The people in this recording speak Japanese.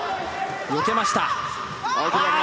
抜けました。